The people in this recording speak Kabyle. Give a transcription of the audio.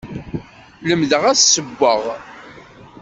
Lemdeɣ ad ssewweɣ.